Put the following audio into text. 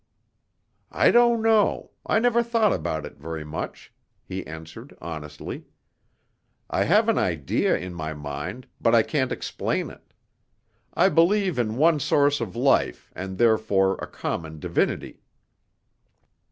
"I don't know; I never thought about it very much," he answered honestly. "I have an ideal in my mind, but I can't explain it. I believe in one source of life, and therefore a common divinity."